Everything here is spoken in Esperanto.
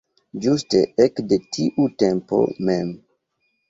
Ĝuste ekde tiu tempo mem.